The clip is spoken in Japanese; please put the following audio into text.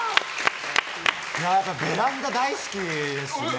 ベランダ大好きですね。